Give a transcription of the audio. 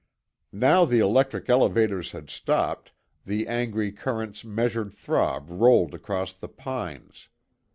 Now the electric elevators had stopped, the angry current's measured throb rolled across the pines.